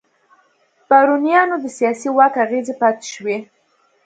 بارونیانو د سیاسي واک اغېزې پاتې شوې.